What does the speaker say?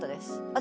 私